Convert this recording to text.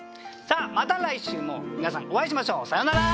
また来週も皆さんお会いしましょう。さようなら！